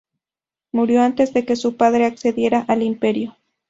Murió antes de que su padre accediera al imperio.